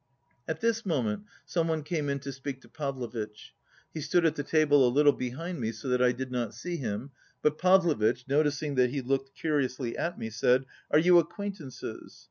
At this moment some one came in to speak to Pavlovitch. He stood at the table a little behind me, so that I did not see him, but Pavlovitch, noticing that he looked curiously at me, said, "Are you acquaintances?"